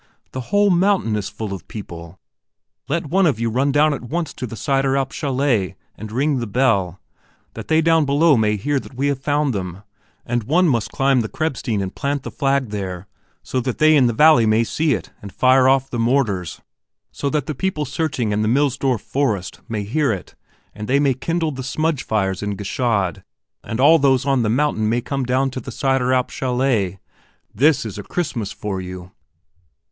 The whole mountain is full of people. Let one of you run down at once to the Sideralp chalet and ring the bell, that they down below may hear that we have found them; and one must climb the Krebsstein and plant the flag there so that they in the valley may see it and fire off the mortars, so that the people searching in the Millsdorf forest may hear it and that they may kindle the smudge fires in Gschaid, and all those on the mountain may come down to the Sideralp chalet. This is a Christmas for you!"